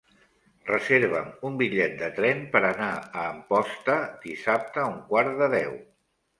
Reserva'm un bitllet de tren per anar a Amposta dissabte a un quart de deu.